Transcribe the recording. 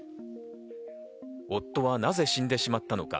夫は、なぜ死んでしまったのか？